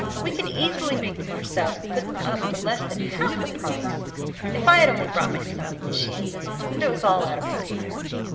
We can easily make them ourselves, and put them up for less than half the price. If I had only brought my sewing machine! But it was all out of repair."